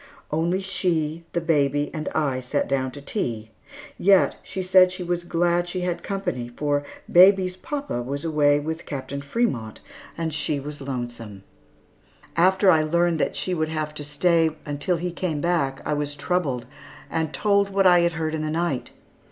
Only she, the baby, and I sat down to tea, yet she said that she was glad she had company, for baby's papa was away with Captain Frémont, and she was lonesome. After I learned that she would have to stay until he came back, I was troubled, and told what I had heard in the night.